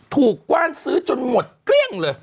กว้านซื้อจนหมดเกลี้ยงเลย